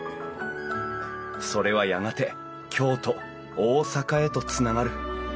それはやがて京都大阪へとつながる。